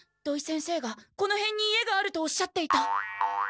土井先生がこのへんに家があるとおっしゃっていた。